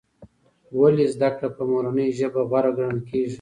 ولې زده کړه په مورنۍ ژبه غوره ګڼل کېږي؟